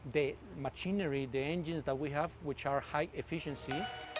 dan juga makinasi yang kami miliki yang berkesan tinggi